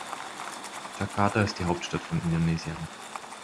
Jakarta ist die Hauptstadt von Indonesien.